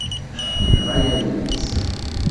Yenɣa-yawen-tt.